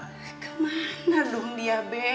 kemana dong dia be